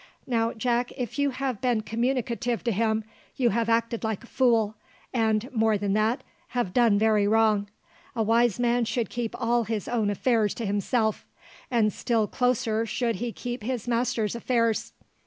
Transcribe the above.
Now, Jack, if you have been communicative to him, you have acted like a fool, and, more than that, have done very wrong. A wise man should keep all his own affairs to himself; and still closer should he keep his master's affairs.